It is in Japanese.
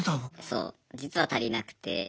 そう実は足りなくて。